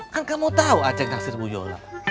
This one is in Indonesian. kan kamu tahu aceh ngasih bu yola